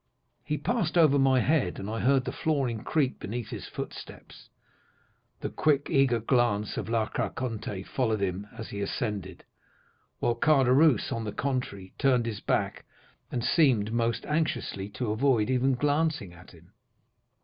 He passed over my head and I heard the flooring creak beneath his footsteps. The quick, eager glance of La Carconte followed him as he ascended, while Caderousse, on the contrary, turned his back, and seemed most anxiously to avoid even glancing at him.